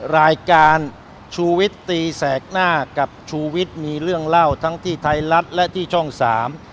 รายการชูวิตตีแสกหน้ากับชูวิทย์มีเรื่องเล่าทั้งที่ไทยรัฐและที่ช่องสาม